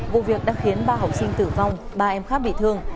vụ việc đã khiến ba học sinh tử vong ba em khác bị thương